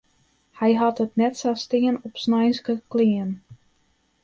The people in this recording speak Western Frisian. Hy hat it net sa stean op sneinske klean.